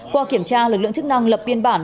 qua kiểm tra lực lượng chức năng lập biên bản